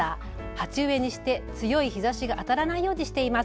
鉢植えにして、強い日ざしが当たらないようにしています。